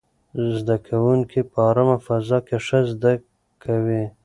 زده کوونکي په ارامه فضا کې ښه زده کوي.